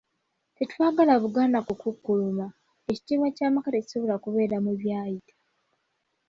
Tetwagala Buganda yakukukkuluma, ekitiibwa kya maka tekisobola kubeera mu byayita.